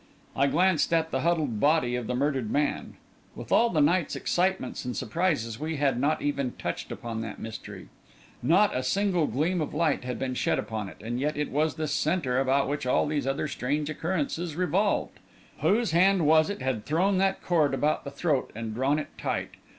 I glanced at the huddled body of the murdered man. With all the night's excitements and surprises, we had not even touched upon that mystery. Not a single gleam of light had been shed upon it, and yet it was the centre about which all these other strange occurrences revolved. Whose hand was it had thrown that cord about the throat and drawn it tight?